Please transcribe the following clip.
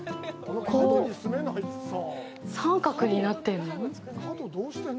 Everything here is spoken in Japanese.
三角になってるの？